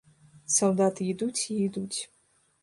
Салдаты ідуць і ідуць.